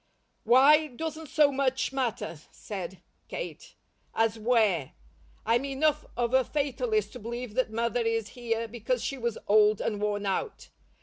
"'Why' doesn't so much matter," said Kate, "as 'where.' I'm enough of a fatalist to believe that Mother is here because she was old and worn out.